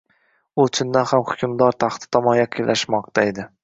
U chindan ham hukmdor taxti tomon yaqinlashmoqda edi